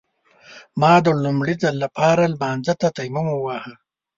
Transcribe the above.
ما د لومړي ځل لپاره لمانځه ته تيمم وواهه.